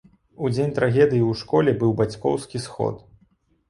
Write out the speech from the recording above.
У дзень трагедыі у школе быў бацькоўскі сход.